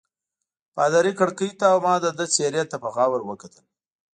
پادري کړکۍ ته او ما د ده څېرې ته په غور وکتل.